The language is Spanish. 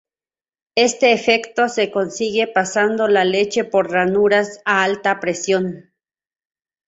Este efecto se consigue pasando la leche por ranuras a alta presión.